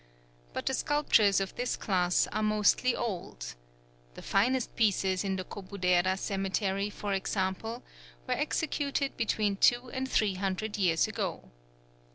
But the sculptures of this class are mostly old; the finest pieces in the Kobudera cemetery, for example, were executed between two and three hundred years ago.